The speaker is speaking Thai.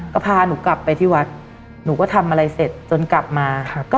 ก็พาหนูกลับไปที่วัดหนูก็ทำอะไรเสร็จจนกลับมา